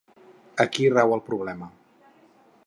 Aquí rau el problema.